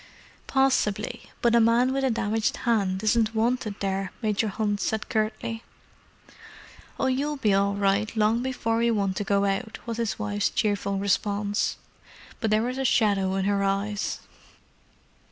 "Possibly—but a man with a damaged hand isn't wanted there," Major Hunt said curtly. "Oh, you'll be all right long before we want to go out," was his wife's cheerful response. But there was a shadow in her eyes.